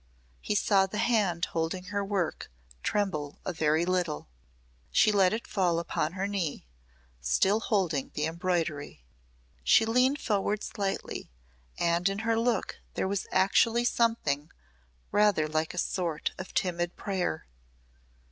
He saw the hand holding her work tremble a very little. She let it fall upon her knee, still holding the embroidery. She leaned forward slightly and in her look there was actually something rather like a sort of timid prayer.